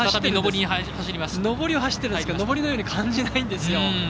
今、上りを走っているんですけど上りのように感じないんですよ。